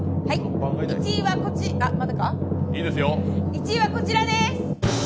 １位はこちらです。